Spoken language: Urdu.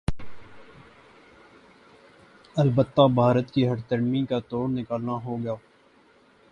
البتہ بھارت کی ہٹ دھرمی کاتوڑ نکالنا ہوگا